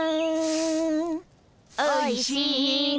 「おいしいな」